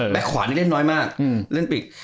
แบ็กขวาเล่นน้อยมากเล่นปิก